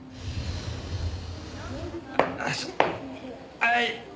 はい。